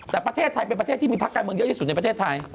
แต่ประเทศไทยเป็นประเทศที่มีพักการเมืองเยอะที่สุดในประเทศไทย